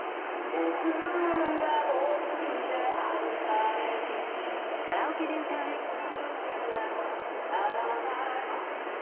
僕が僕であるために勝ち続けなきゃならない